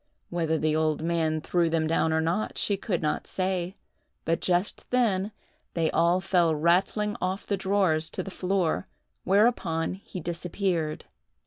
Whether the old man threw them down or not, she could not say; but, just then, they all fell rattling off the drawers to the floor, whereupon he disappeared.